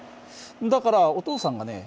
だからお父さんがね